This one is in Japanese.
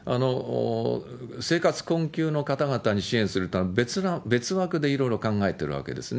生活困窮の方々に支援するため、別枠でいろいろ考えてるわけですね。